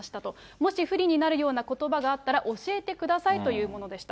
もし不利になるようなことばがあったら、教えてくださいというものでした。